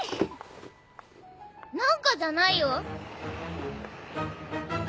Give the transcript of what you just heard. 「なんか」じゃないよ。